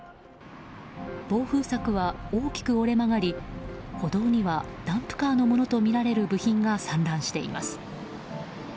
防風柵は大きく折れ曲がり歩道にはダンプカーのものとみられる部品が散乱しています。